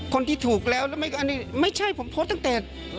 คนที่ถูกแล้วแล้วไม่ใช่ผมโทษตั้งแต่